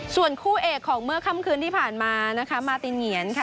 ส่วนคู่เอกของเมื่อค่ำคืนที่ผ่านมานะคะมาตินเหงียนค่ะ